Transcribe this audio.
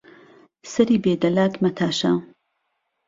سەری بێ دەلاک مەتاشە